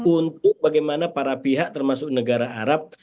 untuk bagaimana para pihak termasuk negara arab